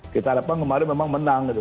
kita harapkan kemarin memang menang gitu